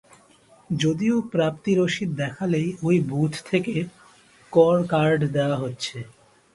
যদিও প্রাপ্তি রসিদ দেখালেই ওই বুথ থেকে কর কার্ড দেওয়া হচ্ছে।